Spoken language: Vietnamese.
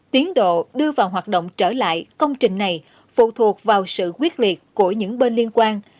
tiến độ đưa vào hoạt động trở lại công trình này phụ thuộc vào sự quyết liệt của những bên liên quan